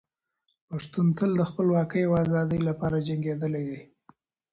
پښتون تل د خپلواکۍ او ازادۍ لپاره جنګېدلی دی.